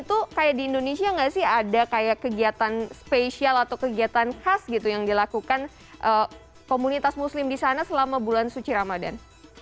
itu kayak di indonesia nggak sih ada kayak kegiatan spesial atau kegiatan khas gitu yang dilakukan komunitas muslim di sana selama bulan suci ramadan